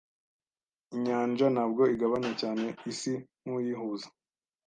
Inyanja ntabwo igabanya cyane isi nkuyihuza.